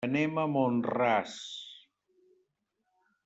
Anem a Mont-ras.